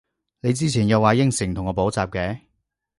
你之前又話應承同我補習嘅？